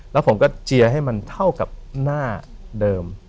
แล้วผมก็เจียร์ให้มันเท่ากับหน้าเดิม